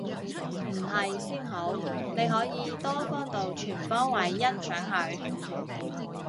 唔係先好，你可以多方度全方位欣賞佢